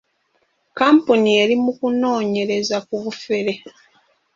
Kkampuni eri mu kunoonyereza ku bufere.